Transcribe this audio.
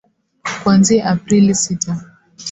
kuanzia Aprili sita